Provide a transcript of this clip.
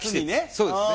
そうですね。